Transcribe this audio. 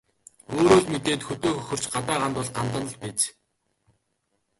Өөрөө л мэдээд хөдөө хөхөрч, гадаа гандвал гандана л биз.